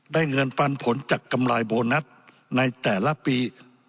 ได้เงินปันผลจากกำไรโบนัสในแต่ละปี